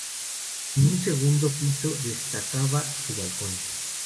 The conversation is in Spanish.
En su segundo piso destacaba su balcón.